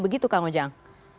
begitu kang ujang